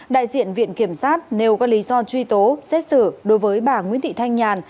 đại diện viện kiểm sát nêu các lý do truy tố xét xử đối với bà nguyễn thị thanh nhàn